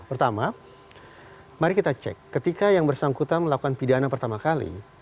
pertama mari kita cek ketika yang bersangkutan melakukan pidana pertama kali